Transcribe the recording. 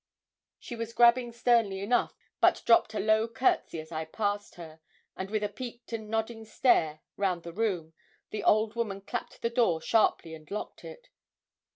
She was gabbling sternly enough, but dropped a low courtesy as I passed her, and with a peaked and nodding stare round the room, the old woman clapped the door sharply, and locked it.